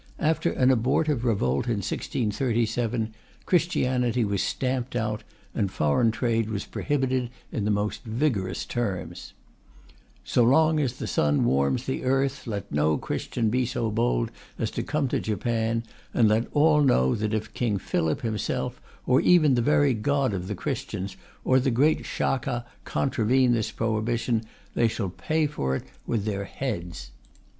After an abortive revolt in 1637, Christianity was stamped out, and foreign trade was prohibited in the most vigorous terms: So long as the sun warms the earth, let no Christian be so bold as to come to Japan, and let all know that if King Philip himself, or even the very God of the Christians, or the great Shaka contravene this prohibition, they shall pay for it with their heads.